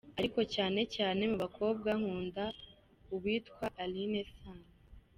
Ariko cyane cyane mu bakobwa nkunda uwitwa Alyn Sano.